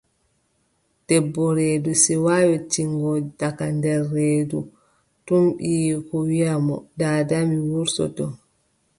Debbo reedu, siwaa yottingo, diga nder reedu ton ɓiyiiko wiʼi mo: daada mi wurtoto.